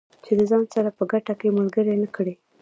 چې د ځان سره په ګټه کې ملګري نه کړي.